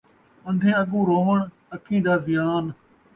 اندھیاں اڳوں رووݨ، اکھیں دا زیان